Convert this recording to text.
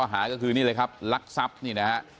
ข้ออาหารก็คนนี้เลยครับลักซับนี่นะครับ